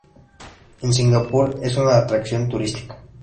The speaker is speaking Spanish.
En Singapur es una atracción turística.